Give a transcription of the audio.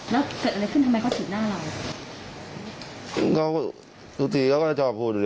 แล้วเกิดอะไรขึ้นทำไมก็ถิ่นหน้าเรา